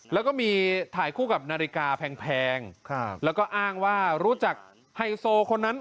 แล้วก็มีถ่ายคู่กับนาฬิกาแพงแล้วก็อ้างว่ารู้จักไฮโซคนนั้น